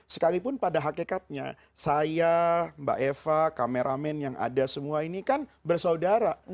sekalipun pada hakikatnya saya mbak eva kameramen yang ada semua ini kan bersaudara